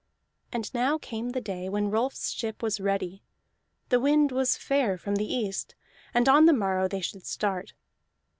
And now came the day when Rolf's ship was ready; the wind was fair from the east, and on the morrow they should start.